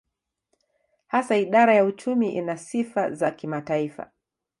Hasa idara ya uchumi ina sifa za kimataifa.